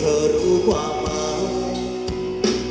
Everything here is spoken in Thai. ให้เธอรู้ความมาก